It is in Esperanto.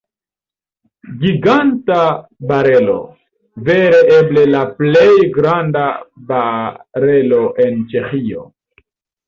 Giganta barelo, vere eble la plej granda barelo en Ĉeĥio.